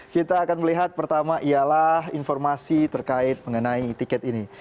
kita akan melihat pertama ialah informasi terkait mengenai tiket ini